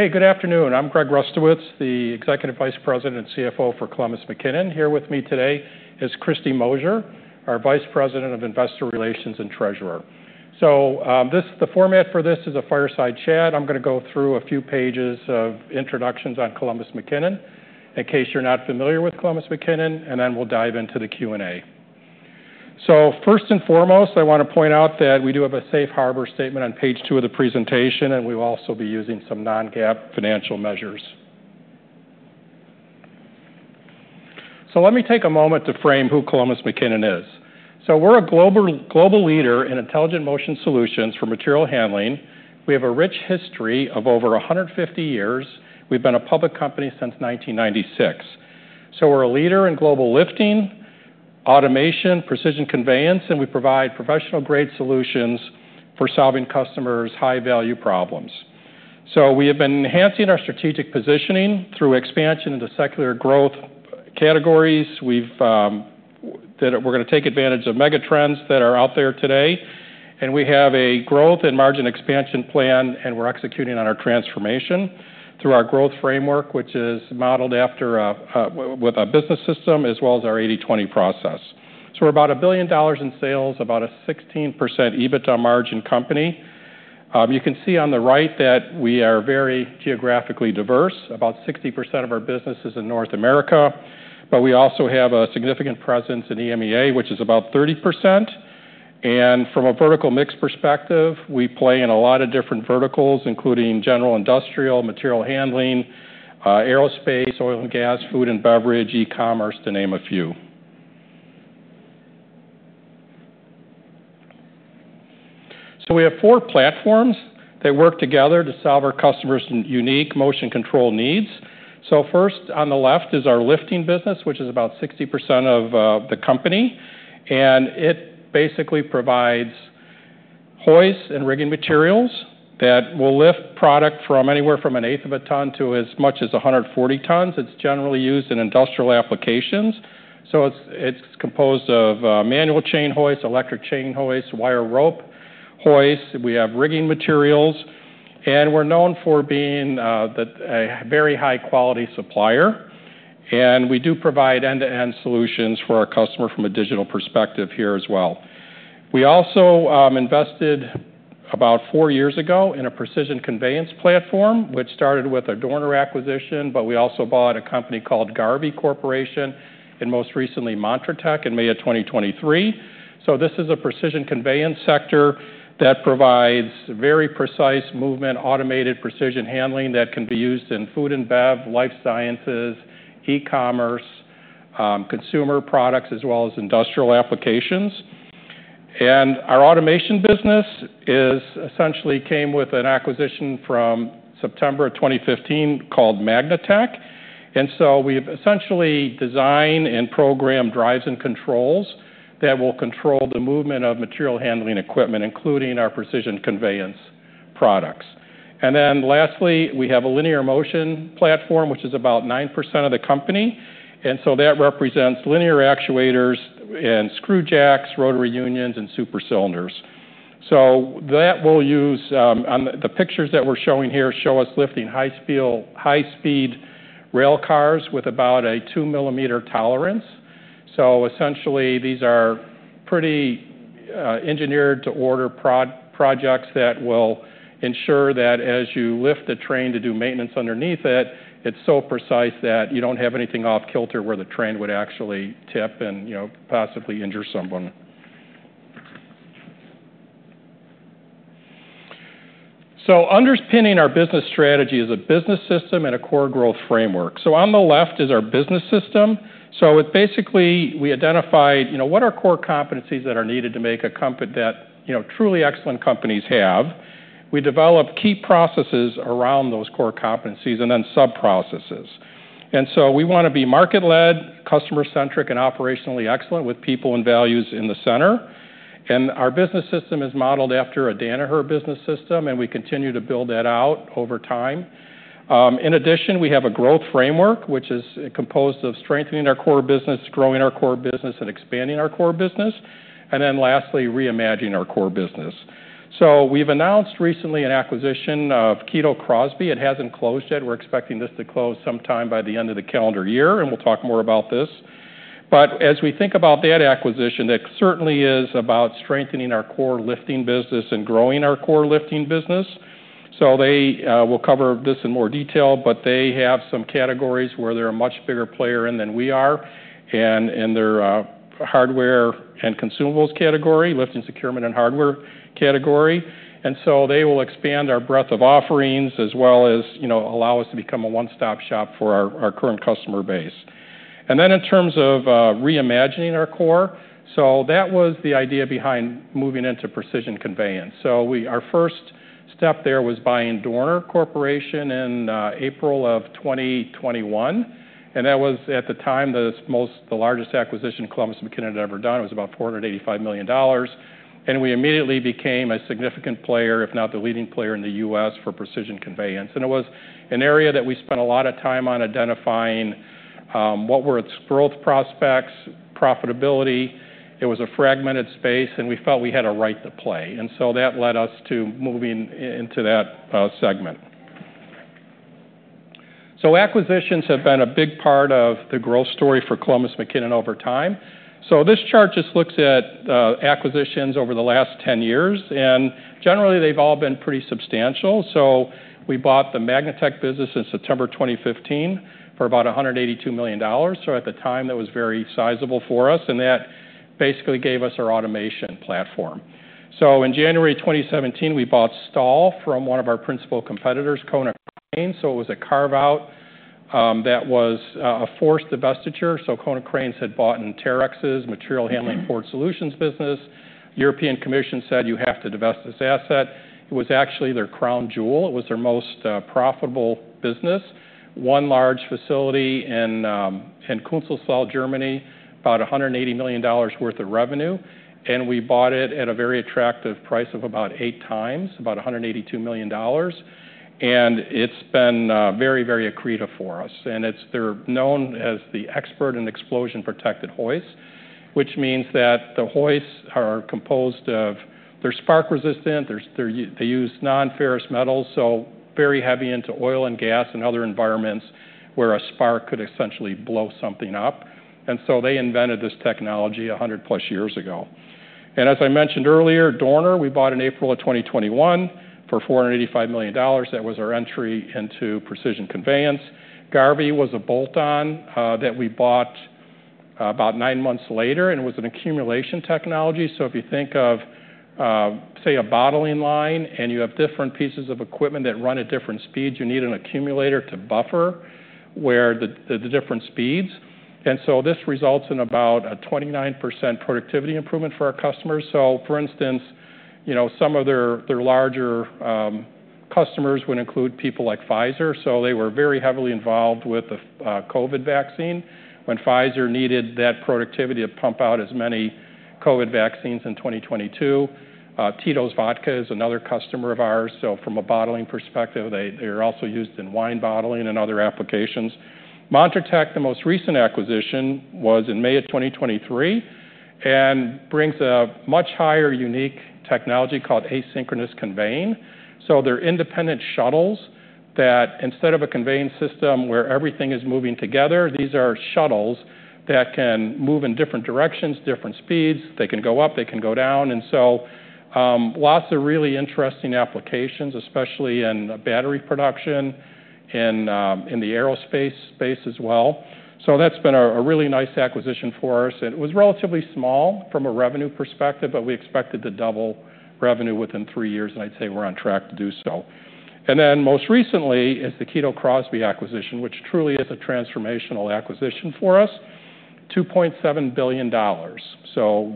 Hey, good afternoon. I'm Greg Rustowicz, the Executive Vice President and CFO for Columbus McKinnon. Here with me today is Kristy Moser, our Vice President of Investor Relations and Treasurer. The format for this is a fireside chat. I'm going to go through a few pages of introductions on Columbus McKinnon, in case you're not familiar with Columbus McKinnon, and then we'll dive into the Q&A. First and foremost, I want to point out that we do have a safe harbor statement on page two of the presentation, and we'll also be using some non-GAAP financial measures. Let me take a moment to frame who Columbus McKinnon is. We're a global leader in intelligent motion solutions for material handling. We have a rich history of over 150 years. We've been a public company since 1996. We're a leader in global lifting, automation, precision conveyance, and we provide professional-grade solutions for solving customers' high-value problems. We have been enhancing our strategic positioning through expansion into secular growth categories. We're going to take advantage of megatrends that are out there today. We have a growth and margin expansion plan, and we're executing on our transformation through our growth framework, which is modeled with a business system as well as our 80/20 process. We're about $1 billion in sales, about a 16% EBITDA margin company. You can see on the right that we are very geographically diverse. About 60% of our business is in North America, but we also have a significant presence in EMEA, which is about 30%. From a vertical mix perspective, we play in a lot of different verticals, including general industrial, material handling, aerospace, oil and gas, food and beverage, e-commerce, to name a few. We have four platforms that work together to solve our customers' unique motion control needs. First, on the left is our lifting business, which is about 60% of the company. It basically provides hoists and rigging materials that will lift product from anywhere from an eighth of a ton to as much as 140 tons. It is generally used in industrial applications. It is composed of manual chain hoists, electric chain hoists, wire rope hoists. We have rigging materials. We are known for being a very high-quality supplier. We do provide end-to-end solutions for our customer from a digital perspective here as well. We also invested about four years ago in a precision conveyance platform, which started with a Dorner acquisition, but we also bought a company called Garvey Corporation and most recently Montech in May of 2023. This is a precision conveyance sector that provides very precise movement, automated precision handling that can be used in food and bev, life sciences, e-commerce, consumer products, as well as industrial applications. Our automation business essentially came with an acquisition from September of 2015 called Magnetek. We have essentially designed and programmed drives and controls that will control the movement of material handling equipment, including our precision conveyance products. Lastly, we have a linear motion platform, which is about 9% of the company. That represents linear actuators and screw jacks, rotary unions, and super cylinders. That will use the pictures that we're showing here show us lifting high-speed rail cars with about a 2 ML tolerance. Essentially, these are pretty engineered-to-order projects that will ensure that as you lift the train to do maintenance underneath it, it's so precise that you don't have anything off-kilter where the train would actually tip and possibly injure someone. Underpinning our business strategy is a business system and a core growth framework. On the left is our business system. Basically, we identified what are core competencies that are needed to make a company that truly excellent companies have. We develop key processes around those core competencies and then sub-processes. We want to be market-led, customer-centric, and operationally excellent with people and values in the center. Our business system is modeled after a Danaher business system, and we continue to build that out over time. In addition, we have a growth framework, which is composed of strengthening our core business, growing our core business, and expanding our core business. Lastly, reimagining our core business. We have announced recently an acquisition of Kito Crosby. It has not closed yet. We are expecting this to close sometime by the end of the calendar year, and we will talk more about this. As we think about that acquisition, that certainly is about strengthening our core lifting business and growing our core lifting business. They will cover this in more detail, but they have some categories where they are a much bigger player than we are in their hardware and consumables category, lifting securement and hardware category. They will expand our breadth of offerings as well as allow us to become a one-stop shop for our current customer base. In terms of reimagining our core, that was the idea behind moving into precision conveyance. Our first step there was buying Dorner Corporation in April of 2021. That was at the time the largest acquisition Columbus McKinnon had ever done. It was about $485 million. We immediately became a significant player, if not the leading player in the U.S. for precision conveyance. It was an area that we spent a lot of time on identifying what were its growth prospects and profitability. It was a fragmented space, and we felt we had a right to play. That led us to moving into that segment. Acquisitions have been a big part of the growth story for Columbus McKinnon over time. This chart just looks at acquisitions over the last 10 years. Generally, they've all been pretty substantial. We bought the Magnetek business in September 2015 for about $182 million. At the time, that was very sizable for us. That basically gave us our automation platform. In January 2017, we bought STAHL from one of our principal competitors, Konecranes. It was a carve-out that was a forced divestiture. Konecranes had bought in Terex's material handling port solutions business. The European Commission said, "You have to divest this asset." It was actually their crown jewel. It was their most profitable business. One large facility in Künzelsau, Germany, about $180 million worth of revenue. We bought it at a very attractive price of about eight times, about $182 million. It has been very, very accretive for us. They are known as the expert in explosion-protected hoists, which means that the hoists are composed of—they are spark-resistant. They use non-ferrous metals, so very heavy into oil and gas and other environments where a spark could essentially blow something up. They invented this technology 100-plus years ago. As I mentioned earlier, Dorner, we bought in April of 2021 for $485 million. That was our entry into precision conveyance. Garvey was a bolt-on that we bought about nine months later. It was an accumulation technology. If you think of, say, a bottling line and you have different pieces of equipment that run at different speeds, you need an accumulator to buffer the different speeds. This results in about a 29% productivity improvement for our customers. For instance, some of their larger customers would include people like Pfizer. They were very heavily involved with the COVID vaccine when Pfizer needed that productivity to pump out as many COVID vaccines in 2022. Tito's Vodka is another customer of ours. From a bottling perspective, they are also used in wine bottling and other applications. Montech, the most recent acquisition, was in May of 2023 and brings a much higher unique technology called asynchronous conveying. They are independent shuttles that, instead of a conveying system where everything is moving together, are shuttles that can move in different directions, different speeds. They can go up. They can go down. There are lots of really interesting applications, especially in battery production and in the aerospace space as well. That's been a really nice acquisition for us. It was relatively small from a revenue perspective, but we expected to double revenue within three years. I'd say we're on track to do so. Most recently is the Kito Crosby acquisition, which truly is a transformational acquisition for us, $2.7 billion.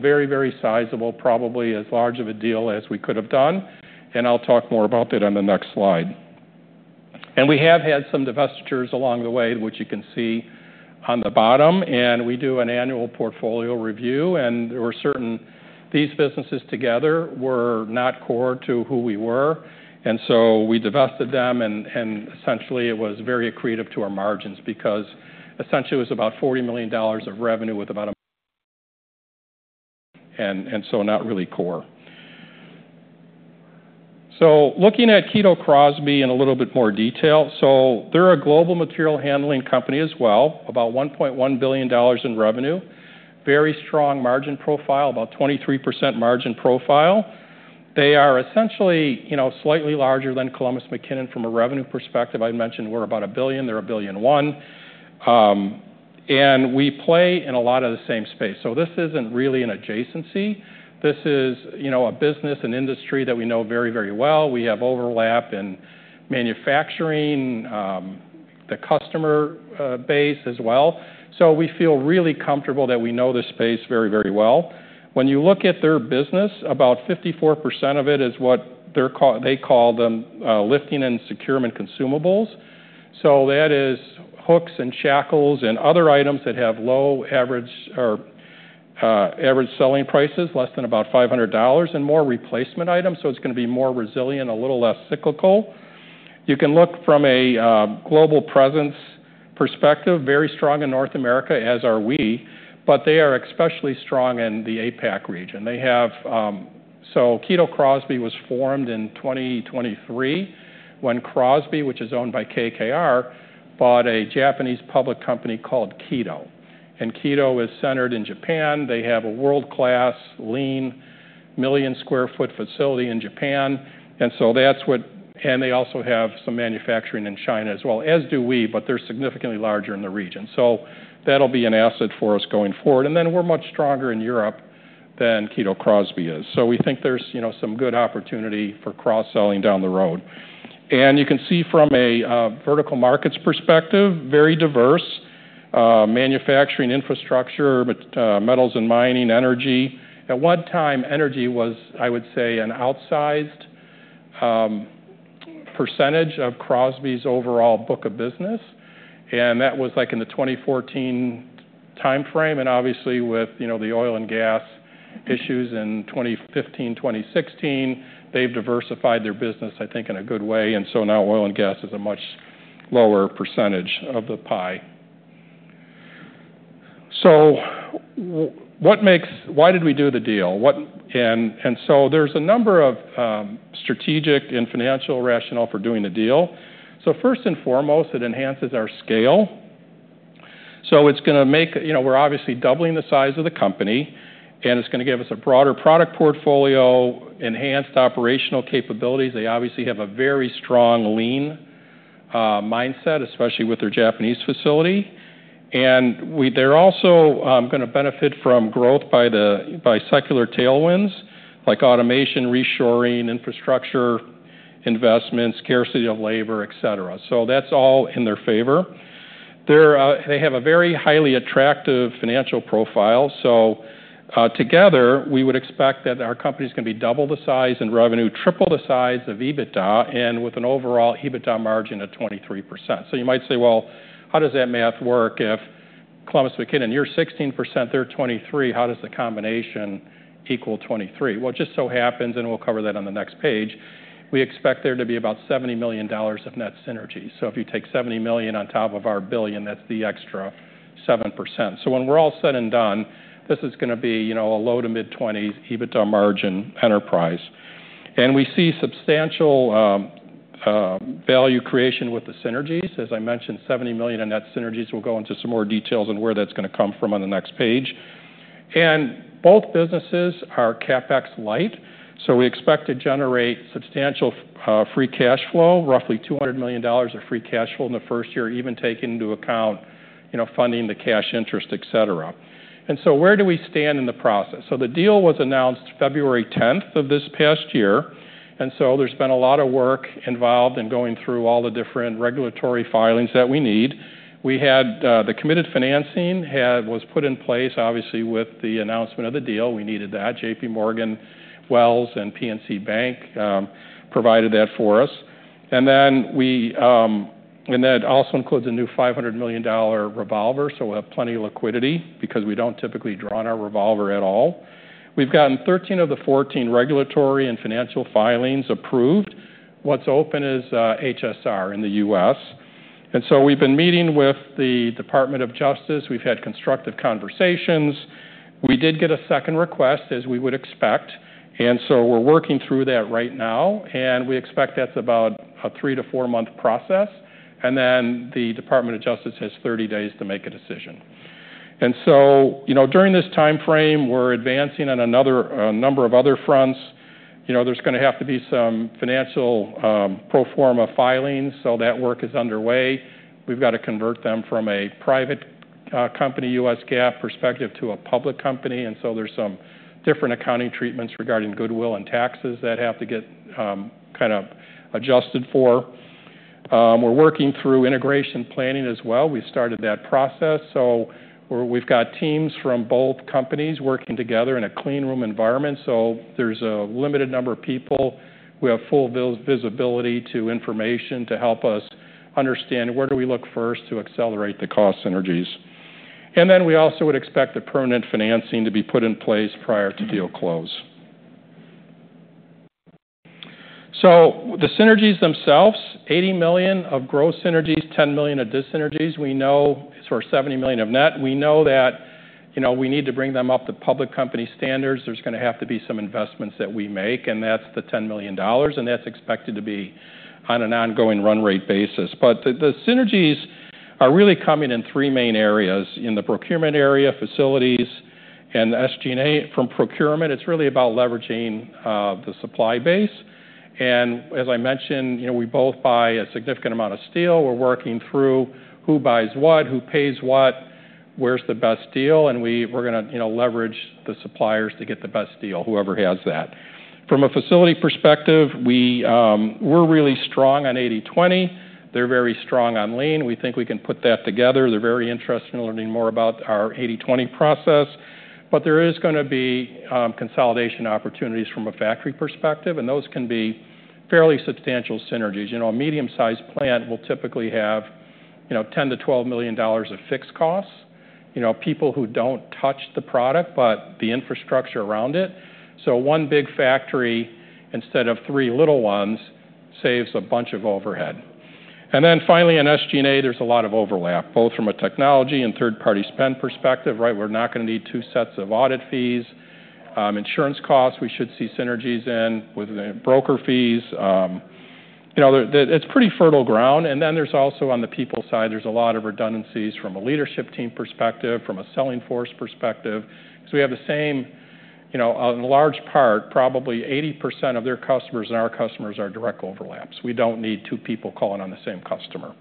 Very, very sizable, probably as large of a deal as we could have done. I'll talk more about that on the next slide. We have had some divestitures along the way, which you can see on the bottom. We do an annual portfolio review. These businesses together were not core to who we were, so we divested them. Essentially, it was very accretive to our margins because essentially, it was about $40 million of revenue with about a and so not really core. Looking at Kito Crosby in a little bit more detail, they're a global material handling company as well, about $1.1 billion in revenue, very strong margin profile, about 23% margin profile. They are essentially slightly larger than Columbus McKinnon from a revenue perspective. I mentioned we're about a billion. They're a billion one. We play in a lot of the same space. This isn't really an adjacency. This is a business, an industry that we know very, very well. We have overlap in manufacturing, the customer base as well. We feel really comfortable that we know the space very, very well. When you look at their business, about 54% of it is what they call lifting and securement consumables. That is hooks and shackles and other items that have low average selling prices, less than about $500 and more replacement items. It's going to be more resilient, a little less cyclical. You can look from a global presence perspective, very strong in North America, as are we, but they are especially strong in the APAC region. Kito Crosby was formed in 2023 when Crosby, which is owned by KKR, bought a Japanese public company called Kito. Kito is centered in Japan. They have a world-class lean million sq ft facility in Japan. They also have some manufacturing in China as well, as do we, but they're significantly larger in the region. That will be an asset for us going forward. We are much stronger in Europe than Kito Crosby is. We think there's some good opportunity for cross-selling down the road. You can see from a vertical markets perspective, very diverse manufacturing infrastructure, metals and mining, energy. At one time, energy was, I would say, an outsized percentage of Crosby's overall book of business. That was like in the 2014 timeframe. Obviously, with the oil and gas issues in 2015, 2016, they've diversified their business, I think, in a good way. Now oil and gas is a much lower percentage of the pie. Why did we do the deal? There is a number of strategic and financial rationale for doing the deal. First and foremost, it enhances our scale. It is going to make—we're obviously doubling the size of the company. It is going to give us a broader product portfolio, enhanced operational capabilities. They obviously have a very strong lean mindset, especially with their Japanese facility. They are also going to benefit from growth by secular tailwinds like automation, reshoring, infrastructure investments, scarcity of labor, etc. That's all in their favor. They have a very highly attractive financial profile. Together, we would expect that our company is going to be double the size in revenue, triple the size of EBITDA, and with an overall EBITDA margin of 23%. You might say, "Well, how does that math work? If Columbus McKinnon, you're 16%, they're 23%, how does the combination equal 23%?" It just so happens, and we'll cover that on the next page, we expect there to be about $70 million of net synergy. If you take $70 million on top of our billion, that's the extra 7%. When we're all said and done, this is going to be a low to mid-20s EBITDA margin enterprise. We see substantial value creation with the synergies. As I mentioned, $70 million in net synergies. We'll go into some more details on where that's going to come from on the next page. Both businesses are CapEx light. We expect to generate substantial free cash flow, roughly $200 million of free cash flow in the first year, even taking into account funding the cash interest, etc. Where do we stand in the process? The deal was announced February 10th of this past year. There's been a lot of work involved in going through all the different regulatory filings that we need. The committed financing was put in place, obviously, with the announcement of the deal. We needed that. JPMorgan, Wells, and PNC Bank provided that for us. That also includes a new $500 million revolver. We'll have plenty of liquidity because we don't typically draw on our revolver at all. We've gotten 13 of the 14 regulatory and financial filings approved. What's open is HSR in the U.S. We have been meeting with the Department of Justice. We've had constructive conversations. We did get a second request, as we would expect. We are working through that right now. We expect that's about a three- to four-month process. The Department of Justice has 30 days to make a decision. During this timeframe, we're advancing on a number of other fronts. There are going to have to be some financial pro forma filings. That work is underway. We've got to convert them from a private company, U.S. GAAP perspective, to a public company. There are some different accounting treatments regarding goodwill and taxes that have to get kind of adjusted for. We're working through integration planning as well. We started that process. We've got teams from both companies working together in a clean room environment. There's a limited number of people. We have full visibility to information to help us understand where do we look first to accelerate the cost synergies. We also would expect the permanent financing to be put in place prior to deal close. The synergies themselves, $80 million of gross synergies, $10 million of disynergies. We know it's for $70 million of net. We know that we need to bring them up to public company standards. There's going to have to be some investments that we make. That's the $10 million. That's expected to be on an ongoing run rate basis. The synergies are really coming in three main areas: in the procurement area, facilities, and SG&A. From procurement, it's really about leveraging the supply base. As I mentioned, we both buy a significant amount of steel. We're working through who buys what, who pays what, where's the best deal. We're going to leverage the suppliers to get the best deal, whoever has that. From a facility perspective, we're really strong on 80/20. They're very strong on lean. We think we can put that together. They're very interested in learning more about our 80/20 process. There is going to be consolidation opportunities from a factory perspective. Those can be fairly substantial synergies. A medium-sized plant will typically have $10 million-$12 million of fixed costs, people who don't touch the product, but the infrastructure around it. One big factory, instead of three little ones, saves a bunch of overhead. Finally, in SG&A, there's a lot of overlap, both from a technology and third-party spend perspective. We're not going to need two sets of audit fees. Insurance costs, we should see synergies in with broker fees. It's pretty fertile ground. There is also, on the people side, a lot of redundancies from a leadership team perspective, from a selling force perspective. Because we have the same, in large part, probably 80% of their customers and our customers are direct overlaps. We don't need two people calling on the same customer.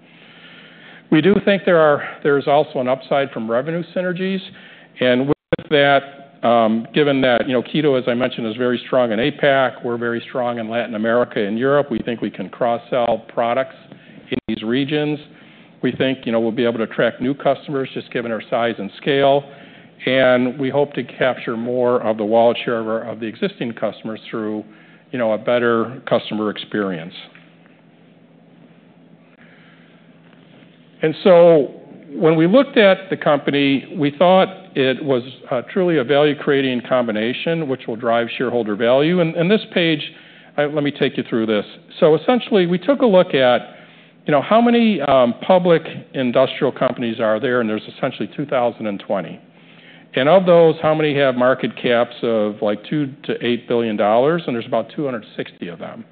We do think there's also an upside from revenue synergies. With that, given that Kito, as I mentioned, is very strong in APAC, we're very strong in Latin America and Europe. We think we can cross-sell products in these regions. We think we'll be able to attract new customers, just given our size and scale. We hope to capture more of the wallet share of the existing customers through a better customer experience. When we looked at the company, we thought it was truly a value-creating combination, which will drive shareholder value. This page, let me take you through this. Essentially, we took a look at how many public industrial companies are there, and there are essentially 2,020. Of those, how many have market caps of $2 billion-$8 billion? There are about 260 of them.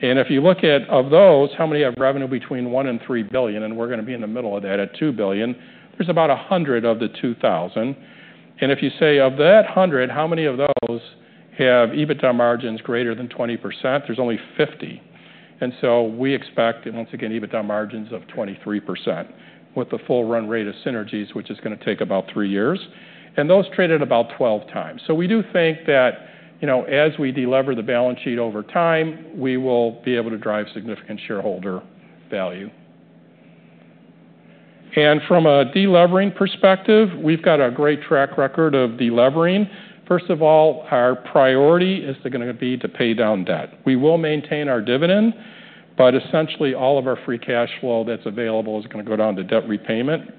If you look at those, how many have revenue between $1 billion and $3 billion? We are going to be in the middle of that at $2 billion. There are about 100 of the 2,000. If you say, "Of that 100, how many of those have EBITDA margins greater than 20%?" There are only 50. We expect, once again, EBITDA margins of 23% with the full run rate of synergies, which is going to take about three years. Those traded at about 12 times. We do think that as we deliver the balance sheet over time, we will be able to drive significant shareholder value. From a delevering perspective, we have a great track record of delivering. First of all, our priority is going to be to pay down debt. We will maintain our dividend, but essentially, all of our free cash flow that is available is going to go down to debt repayment.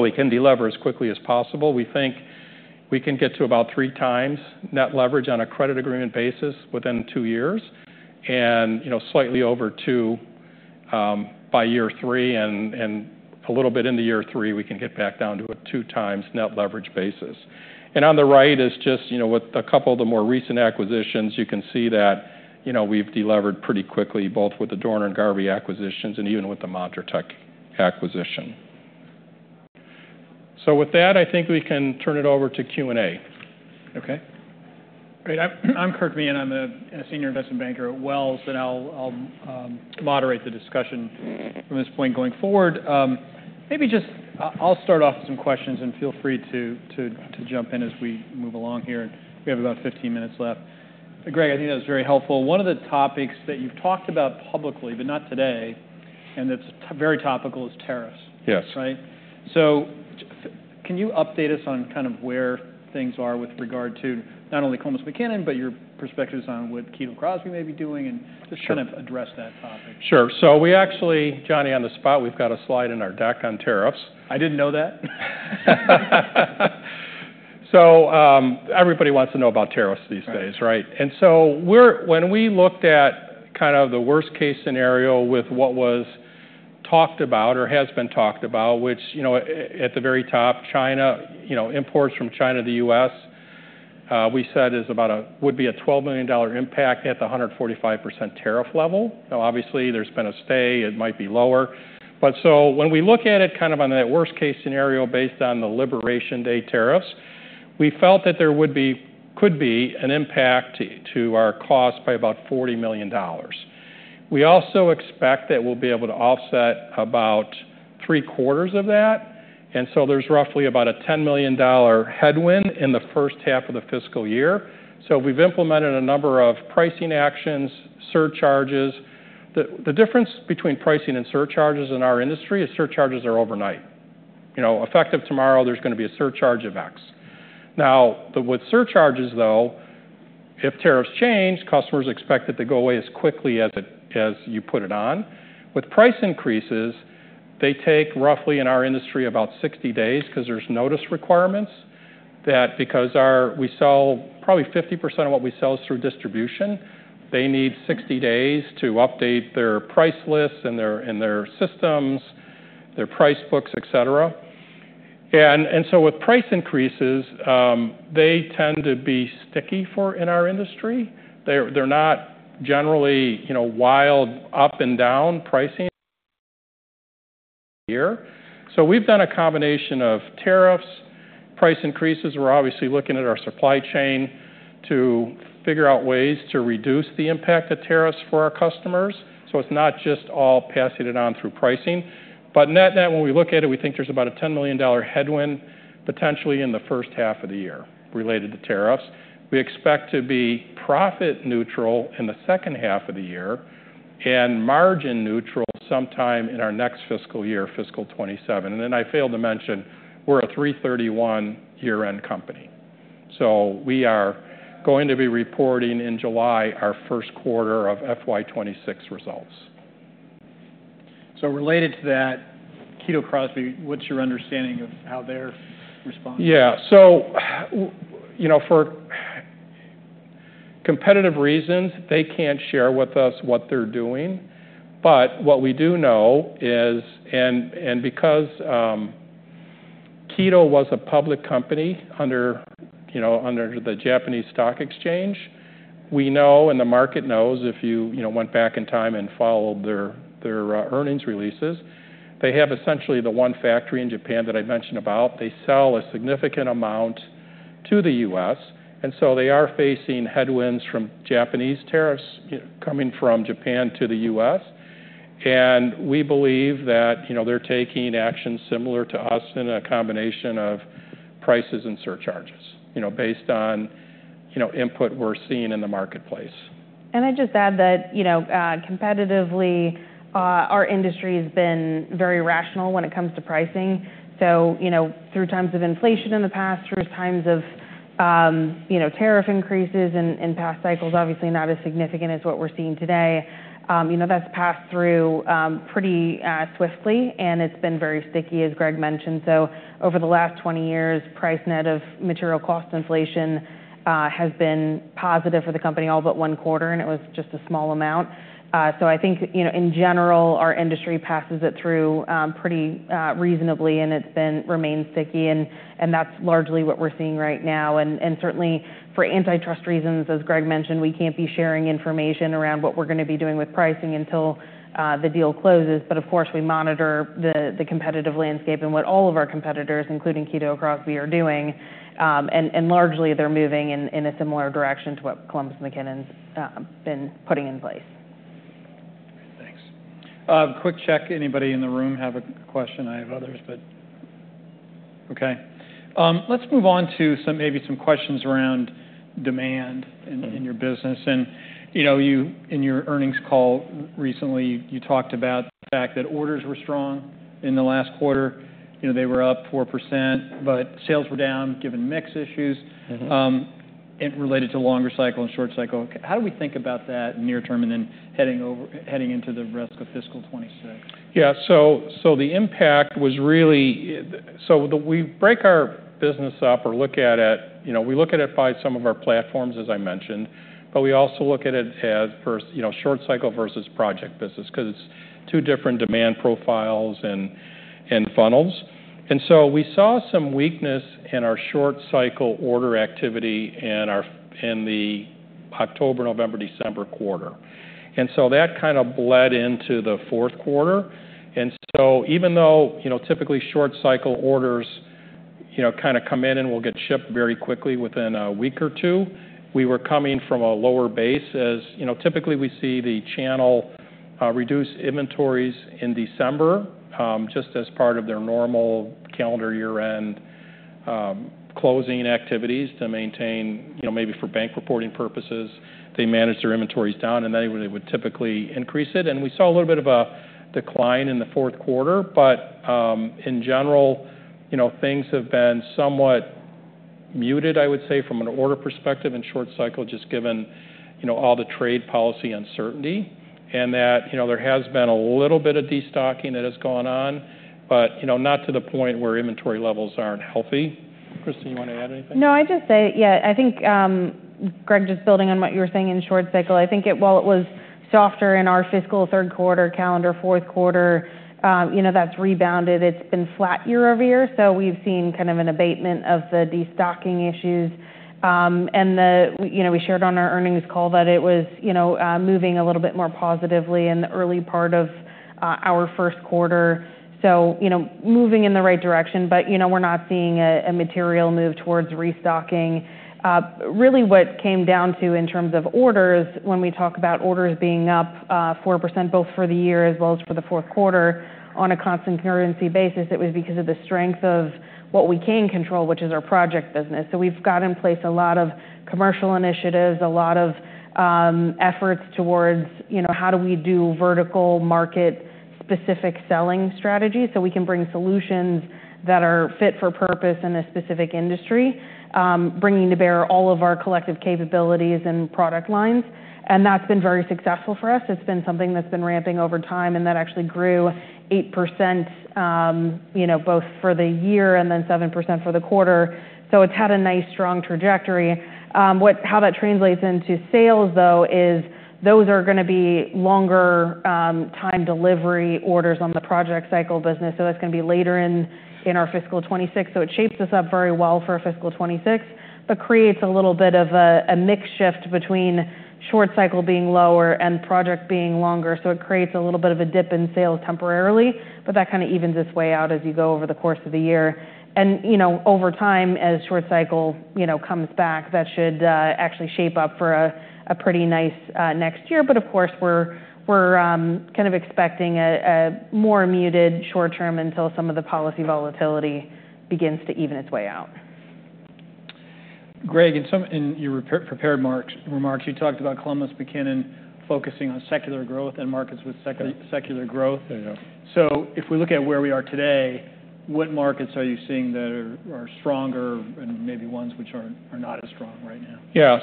We can deliver as quickly as possible. We think we can get to about three times net leverage on a credit agreement basis within two years and slightly over two by year three. A little bit in the year three, we can get back down to a two-times net leverage basis. On the right is just with a couple of the more recent acquisitions, you can see that we've delivered pretty quickly, both with the Dorner and Garvey acquisitions and even with the Montech acquisition. With that, I think we can turn it over to Q&A. Okay? Great. I'm Kirk Mann. I'm a senior investment banker at Wells, and I'll moderate the discussion from this point going forward. Maybe just I'll start off with some questions, and feel free to jump in as we move along here. We have about 15 minutes left. Greg, I think that was very helpful. One of the topics that you've talked about publicly, but not today, and that's very topical, is tariffs. Yes. Right? Can you update us on kind of where things are with regard to not only Columbus McKinnon, but your perspectives on what Kito Crosby may be doing and just kind of address that topic? Sure. We actually, Johnny-on-the-spot, we've got a slide in our deck on tariffs. I didn't know that. Everybody wants to know about tariffs these days, right? When we looked at kind of the worst-case scenario with what was talked about or has been talked about, which at the very top, imports from China to the U.S., we said would be a $12 million impact at the 145% tariff level. Now, obviously, there's been a stay. It might be lower. When we look at it kind of on that worst-case scenario based on the liberation day tariffs, we felt that there could be an impact to our cost by about $40 million. We also expect that we'll be able to offset about 3/4 of that. There is roughly about a $10 million headwind in the first half of the fiscal year. We've implemented a number of pricing actions, surcharges. The difference between pricing and surcharges in our industry is surcharges are overnight. Effective tomorrow, there's going to be a surcharge of X. Now, with surcharges, though, if tariffs change, customers expect it to go away as quickly as you put it on. With price increases, they take roughly, in our industry, about 60 days because there are notice requirements that, because we sell probably 50% of what we sell is through distribution, they need 60 days to update their price lists and their systems, their price books, etc. With price increases, they tend to be sticky in our industry. They're not generally wild up and down pricing here. We've done a combination of tariffs, price increases. We're obviously looking at our supply chain to figure out ways to reduce the impact of tariffs for our customers. It's not just all passing it on through pricing. Net net, when we look at it, we think there's about a $10 million headwind potentially in the first half of the year related to tariffs. We expect to be profit neutral in the second half of the year and margin neutral sometime in our next fiscal year, fiscal 2027. I failed to mention, we're a March 31 year-end company. We are going to be reporting in July our first quarter of FY 2026 results. Related to that, Kito Crosby, what's your understanding of how they're responding? Yeah. For competitive reasons, they can't share with us what they're doing. What we do know is, and because Kito was a public company under the Japanese stock exchange, we know and the market knows if you went back in time and followed their earnings releases, they have essentially the one factory in Japan that I mentioned. They sell a significant amount to the U.S., and they are facing headwinds from Japanese tariffs coming from Japan to the U.S. We believe that they're taking actions similar to us in a combination of prices and surcharges based on input we're seeing in the marketplace. I'd just add that competitively, our industry has been very rational when it comes to pricing. Through times of inflation in the past, through times of tariff increases in past cycles, obviously not as significant as what we're seeing today, that's passed through pretty swiftly. It's been very sticky, as Greg mentioned. Over the last 20 years, price net of material cost inflation has been positive for the company all but one quarter. It was just a small amount. I think, in general, our industry passes it through pretty reasonably. It's remained sticky. That's largely what we're seeing right now. Certainly, for antitrust reasons, as Greg mentioned, we can't be sharing information around what we're going to be doing with pricing until the deal closes. Of course, we monitor the competitive landscape and what all of our competitors, including Kito Crosby, are doing. Largely, they're moving in a similar direction to what Columbus McKinnon's been putting in place. Thanks. Quick check. Anybody in the room have a question? I have others, but okay. Let's move on to maybe some questions around demand in your business. In your earnings call recently, you talked about the fact that orders were strong in the last quarter. They were up 4%, but sales were down given mix issues related to longer cycle and short cycle. How do we think about that near term and then heading into the rest of fiscal 2026? Yeah. The impact was really, we break our business up or look at it. We look at it by some of our platforms, as I mentioned. We also look at it as short cycle versus project business because it is two different demand profiles and funnels. We saw some weakness in our short cycle order activity in the October, November, December quarter. That kind of bled into the fourth quarter. Even though typically short cycle orders come in and will get shipped very quickly within a week or two, we were coming from a lower base as typically we see the channel reduce inventories in December just as part of their normal calendar year-end closing activities to maintain, maybe for bank reporting purposes. They manage their inventories down, and then they would typically increase it. We saw a little bit of a decline in the fourth quarter. In general, things have been somewhat muted, I would say, from an order perspective and short cycle just given all the trade policy uncertainty and that there has been a little bit of destocking that has gone on, but not to the point where inventory levels aren't healthy. Kristin, you want to add anything? No, I'd just say, yeah, I think Greg, just building on what you were saying in short cycle, I think while it was softer in our fiscal third quarter, calendar fourth quarter, that's rebounded. It's been flat year over year. We have seen kind of an abatement of the destocking issues. We shared on our earnings call that it was moving a little bit more positively in the early part of our first quarter. Moving in the right direction, but we're not seeing a material move towards restocking. Really, what came down to in terms of orders, when we talk about orders being up 4% both for the year as well as for the fourth quarter on a constant currency basis, it was because of the strength of what we can control, which is our project business. We've got in place a lot of commercial initiatives, a lot of efforts towards how do we do vertical market-specific selling strategies so we can bring solutions that are fit for purpose in a specific industry, bringing to bear all of our collective capabilities and product lines. That's been very successful for us. It's been something that's been ramping over time, and that actually grew 8% both for the year and then 7% for the quarter. It's had a nice strong trajectory. How that translates into sales, though, is those are going to be longer time delivery orders on the project cycle business. That is going to be later in our fiscal 2026. It shapes us up very well for fiscal 2026, but creates a little bit of a mix shift between short cycle being lower and project being longer. It creates a little bit of a dip in sales temporarily, but that kind of evens its way out as you go over the course of the year. Over time, as short cycle comes back, that should actually shape up for a pretty nice next year. Of course, we are kind of expecting a more muted short term until some of the policy volatility begins to even its way out. Greg, in your prepared remarks, you talked about Columbus McKinnon focusing on secular growth and markets with secular growth. If we look at where we are today, what markets are you seeing that are stronger and maybe ones which are not as strong right now? Yeah.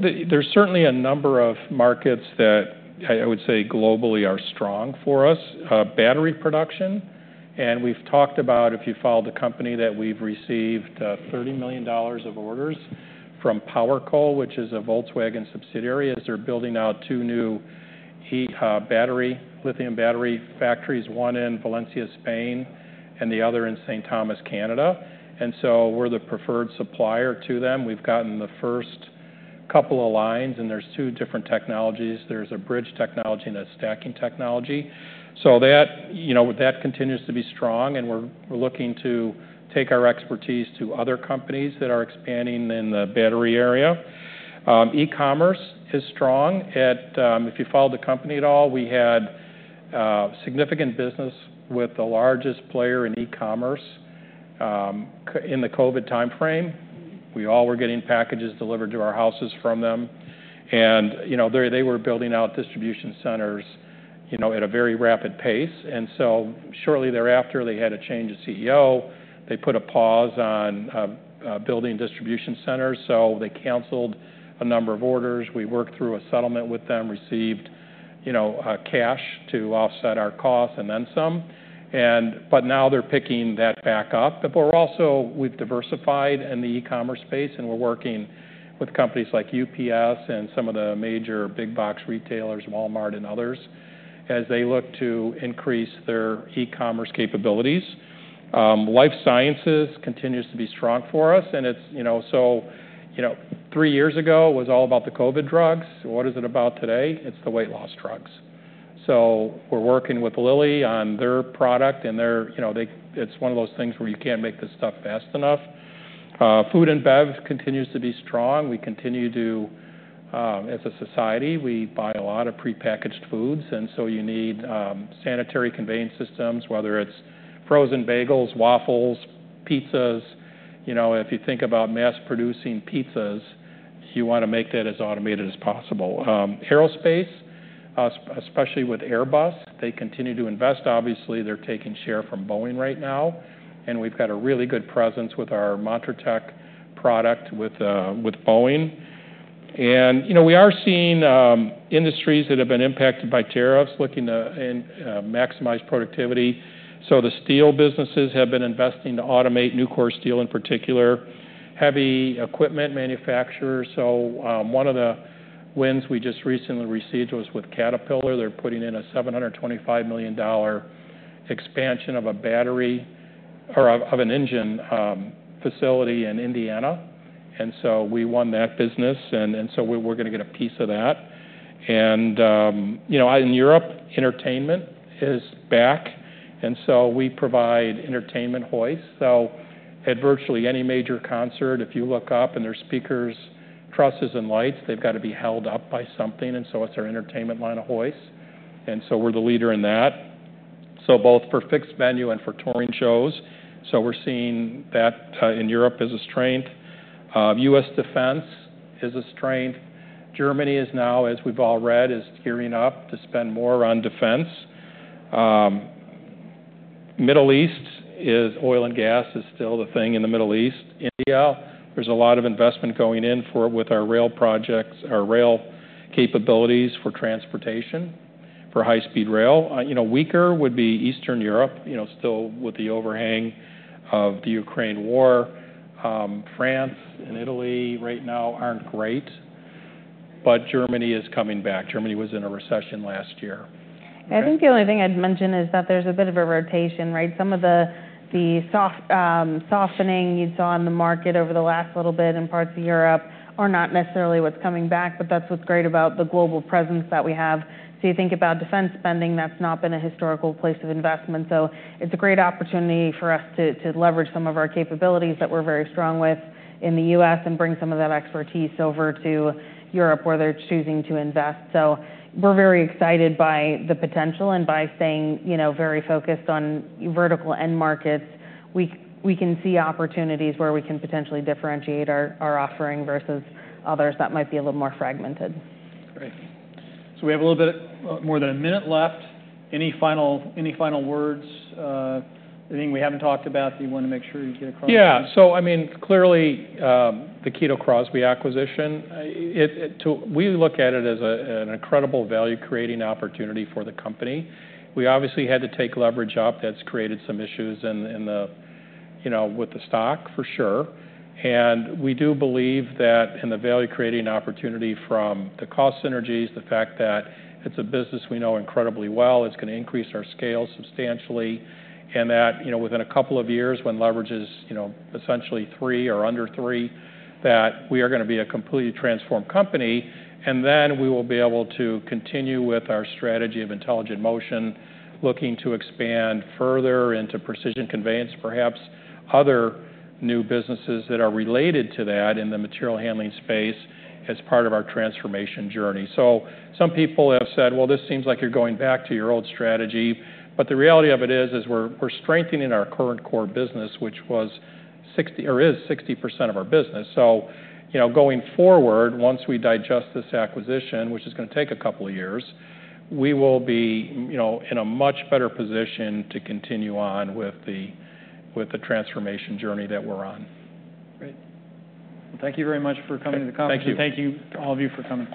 There is certainly a number of markets that I would say globally are strong for us: battery production. We have talked about, if you follow the company, that we have received $30 million of orders from PowerCo, which is a Volkswagen subsidiary, as they are building out two new lithium battery factories, one in Valencia, Spain, and the other in St. Thomas, Canada. We are the preferred supplier to them. We have gotten the first couple of lines, and there are two different technologies. There is a bridge technology and a stacking technology. That continues to be strong, and we are looking to take our expertise to other companies that are expanding in the battery area. E-commerce is strong. If you follow the company at all, we had significant business with the largest player in e-commerce in the COVID timeframe. We all were getting packages delivered to our houses from them. They were building out distribution centers at a very rapid pace. Shortly thereafter, they had a change of CEO. They put a pause on building distribution centers. They canceled a number of orders. We worked through a settlement with them, received cash to offset our costs and then some. Now they're picking that back up. We're also diversified in the e-commerce space, and we're working with companies like UPS and some of the major big box retailers, Walmart and others, as they look to increase their e-commerce capabilities. Life sciences continues to be strong for us. Three years ago, it was all about the COVID drugs. What is it about today? It's the weight loss drugs. So we're working with Lilly on their product. And it's one of those things where you can't make this stuff fast enough. Food and bev continues to be strong. We continue to, as a society, we buy a lot of prepackaged foods. And so you need sanitary conveyance systems, whether it's frozen bagels, waffles, pizzas. If you think about mass-producing pizzas, you want to make that as automated as possible. Aerospace, especially with Airbus, they continue to invest. Obviously, they're taking share from Boeing right now. And we've got a really good presence with our Montech product with Boeing. And we are seeing industries that have been impacted by tariffs looking to maximize productivity. So the steel businesses have been investing to automate Nucor Steel in particular, heavy equipment manufacturers. One of the wins we just recently received was with Caterpillar. They're putting in a $725 million expansion of an engine facility in Indiana. We won that business, so we're going to get a piece of that. In Europe, entertainment is back, and we provide entertainment hoists. At virtually any major concert, if you look up and there are speakers, trusses, and lights, they've got to be held up by something. It's our entertainment line of hoists. We're the leader in that, both for fixed venue and for touring shows. We're seeing that in Europe is a strain. U.S. defense is a strain. Germany is now, as we've all read, gearing up to spend more on defense. Middle East is oil and gas is still the thing in the Middle East. India, there's a lot of investment going in with our rail projects, our rail capabilities for transportation, for high-speed rail. Weaker would be Eastern Europe, still with the overhang of the Ukraine war. France and Italy right now aren't great, but Germany is coming back. Germany was in a recession last year. I think the only thing I'd mention is that there's a bit of a rotation, right? Some of the softening you saw in the market over the last little bit in parts of Europe are not necessarily what's coming back, but that's what's great about the global presence that we have. You think about defense spending, that's not been a historical place of investment. It is a great opportunity for us to leverage some of our capabilities that we are very strong with in the U.S. and bring some of that expertise over to Europe where they are choosing to invest. We are very excited by the potential and by staying very focused on vertical end markets. We can see opportunities where we can potentially differentiate our offering versus others that might be a little more fragmented. Great. We have a little bit more than a minute left. Any final words? Anything we have not talked about that you want to make sure you get across? Yeah. I mean, clearly, the Kito Crosby acquisition, we look at it as an incredible value-creating opportunity for the company. We obviously had to take leverage up. That has created some issues with the stock, for sure. We do believe that in the value-creating opportunity from the cost synergies, the fact that it's a business we know incredibly well, it's going to increase our scale substantially, and that within a couple of years when leverage is essentially three or under three, we are going to be a completely transformed company. We will be able to continue with our strategy of intelligent motion, looking to expand further into precision conveyance, perhaps other new businesses that are related to that in the material handling space as part of our transformation journey. Some people have said, "Well, this seems like you're going back to your old strategy." The reality of it is we're strengthening our current core business, which was 60% or is 60% of our business. Going forward, once we digest this acquisition, which is going to take a couple of years, we will be in a much better position to continue on with the transformation journey that we're on. Great. Thank you very much for coming to the conference. Thank you. Thank you to all of you for coming.